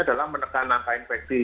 adalah menekan antainfeksi